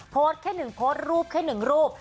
โพสต์แค่หนึ่งโพสต์รูปแค่หนึ่งรูป